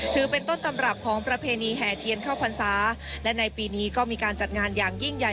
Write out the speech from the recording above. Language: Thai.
ถือเป็นต้นตำรับของประเพณีแห่เทียนเข้าพรรษาและในปีนี้ก็มีการจัดงานอย่างยิ่งใหญ่